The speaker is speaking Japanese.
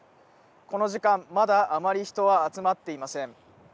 この時間、まだあまり人は集まっていません。